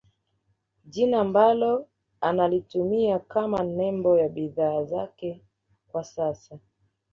Jina ambalo analitumia kama nembo ya bidhaa zake kwa sasa